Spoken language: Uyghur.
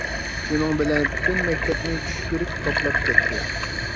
شۇنىڭ بىلەن پۈتۈن مەكتەپنى چۈشكۈرۈك قاپلاپ كەتتى.